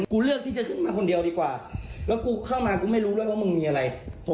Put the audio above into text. เลือกที่จะขึ้นมาคนเดียวดีกว่าแล้วกูเข้ามากูไม่รู้ด้วยว่ามึงมีอะไร